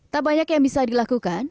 tak banyak yang bisa dilakukan